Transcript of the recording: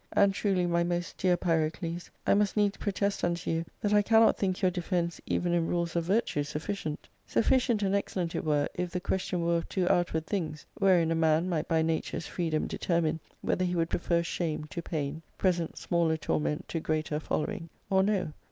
And truly, my most dear Pyrocles, I must needs protest unto you that I cannot think your defence even in rules of virtue sufficient. Suf ficient and excellent it were if the question were of two out ward things, wherein a man might by nature's freedom deter* mine whether he would prefer shame to pain, present smaller torment to greater following, or no.